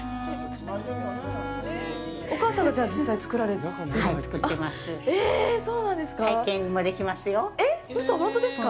お母さんがじゃあ実際作られてるんですか。